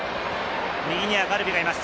右にはガルビがいます。